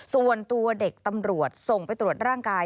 ส่วนตัวเด็กตำรวจส่งไปตรวจร่างกาย